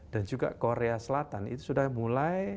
dan juga korea selatan itu sudah mulai